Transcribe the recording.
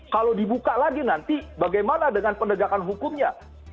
kalau dibuka lagi nanti bagaimana dengan penegakan hukumnya